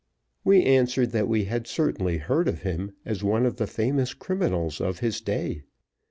We answered that we had certainly heard of him as one of the famous criminals of his day.